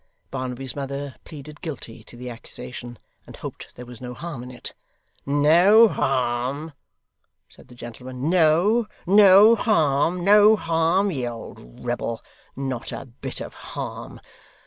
Barnaby's mother pleaded guilty to the accusation, and hoped there was no harm in it. 'No harm!' said the gentleman. 'No. No harm. No harm, ye old rebel, not a bit of harm.